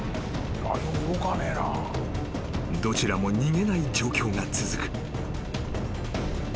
［どちらも逃げない状況が続く］